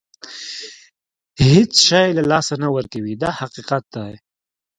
هېڅ شی له لاسه نه ورکوي دا حقیقت دی.